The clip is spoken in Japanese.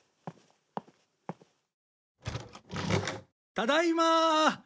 ただいま！